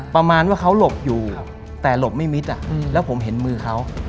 ประมาณว่าเขาหลบอยู่แต่หลบไม่มิดแล้วผมเห็นมือเขา